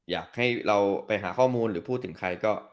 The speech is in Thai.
อยากให้เราไปหาข้อมูลหรือพูดถึงใครก็